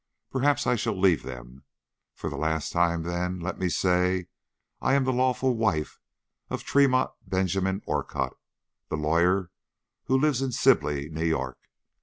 Perhaps I shall leave them. For the last time, then, let me say 'I am the lawful wife of Tremont Benjamin Orcutt, the lawyer, who lives in Sibley, New York.'